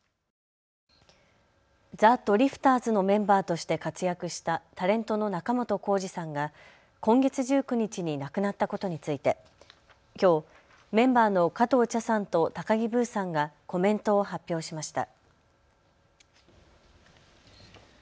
ザ・ドリフターズのメンバーとして活躍したタレントの仲本工事さんが今月１９日に亡くなったことについてきょうメンバーの加藤茶さんと高木ブーさんがコメントを発表しました。